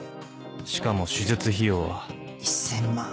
しかも手術費用は１千万。